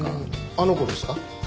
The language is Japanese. あの子ですか？